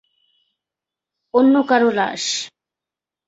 অন্য কারো লাশ।